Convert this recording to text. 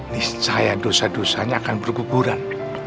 nisaya dosa dosanya akan berkuburan